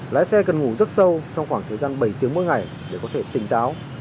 lái xe cần ngủ rất sâu trong khoảng thời gian bảy tiếng mỗi ngày để có thể tỉnh táo